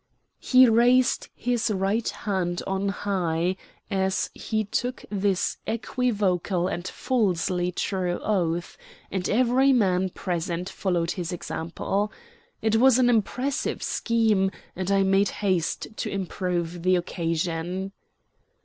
He raised his right hand on high as he took this equivocal and falsely true oath, and every man present followed his example. It was an impressive scene, and I made haste to improve the occasion.